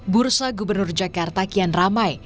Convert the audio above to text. bursa gubernur jakarta kian ramai